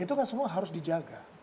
itu kan semua harus dijaga